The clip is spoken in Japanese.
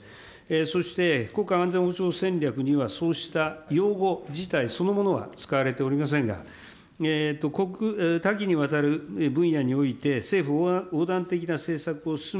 そして国家安全保障戦略にはそうした用語自体そのものは使われておりませんが、多岐にわたる分野において、政府横断的な政策を進め、